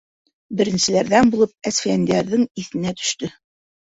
Беренселәрҙән булып Әсфәндиәрҙең иҫенә төштө.